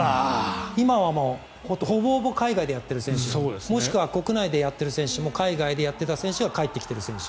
今はほぼほぼ海外でやってる選手もしくは国内でやっている選手も海外でやっていた選手が帰ってきている選手。